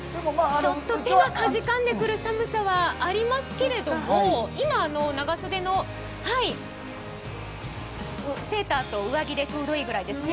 ちょっと手がかじかんでくる寒さはありますけれども、今長袖のセーターと上着でちょうどいいぐらいですね。